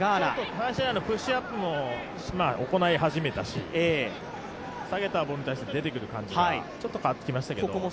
開始よりプッシュアップも行い始めたし、下げたボールに対して出てくる感じがちょっと変わってきましたけども。